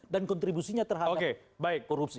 dan kontribusinya terhadap korupsi